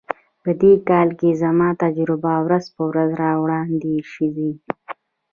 په دې کار کې زما تجربه ورځ په ورځ وړاندي ځي.